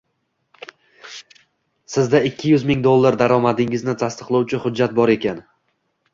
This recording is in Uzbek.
Sizda ikki yuz ming dollar daromadingizni tasdiqlovchi hujjat bor ekan